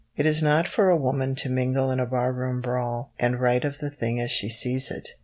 It is not for a woman to mingle in a barroom brawl and write of the thing as she sees it.